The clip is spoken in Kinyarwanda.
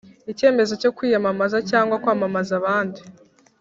icyemezo cyo kwiyamamaza cyangwa kwamamaza abandi